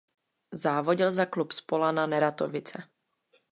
Závodil za klub Spolana Neratovice.